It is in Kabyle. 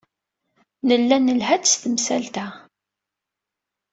Nella nelha-d s temsalt-a.